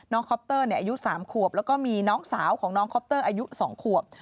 คอปเตอร์อายุ๓ขวบแล้วก็มีน้องสาวของน้องคอปเตอร์อายุ๒ขวบ